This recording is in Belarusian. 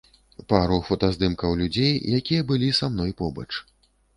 Пару фотаздымкаў людзей, якія былі са мной побач.